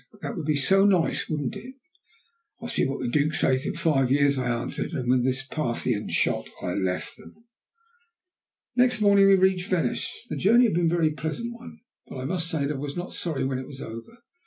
"That would be so nice, wouldn't it?" "We'll see what the Duke says in five years," I answered, and with this Parthian shot I left them. Next morning we reached Venice. The journey had been a very pleasant one, but I must say that I was not sorry when it was over.